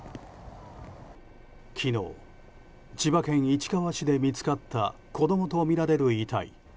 昨日千葉県市川市で見つかった子どもとみられる遺体。